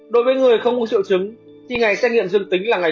đối với người không có triệu chứng thì ngày xét nghiệm dương tính là ngày